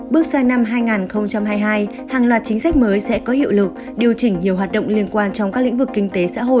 bước sang năm hai nghìn hai mươi hai hàng loạt chính sách mới sẽ có hiệu lực điều chỉnh nhiều hoạt động liên quan trong các lĩnh vực kinh tế xã hội